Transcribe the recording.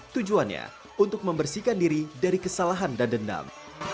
tujuannya untuk membersihkan diri dari kesalahan dan dendam